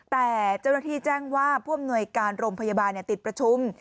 แต่เจ้าหน้าที่แจ้งว่าผู้อำนวยการโรงพยาบาลติดประชุม